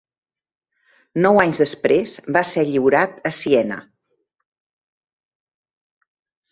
Nou anys després va ser lliurat a Siena.